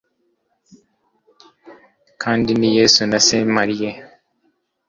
Kandi ni Yesu na SaintMaries